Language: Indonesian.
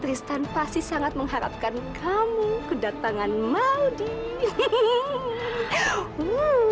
tristan pasti sangat mengharapkan kamu kedatangan maudie